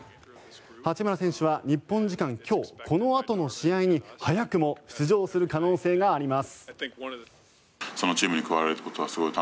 八村選手は日本時間、今日このあとの試合に早くも出場する可能性があります。